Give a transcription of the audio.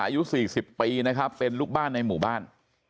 อายุ๔๐ปีนะครับเป็นลูกบ้านในหมู่บ้าน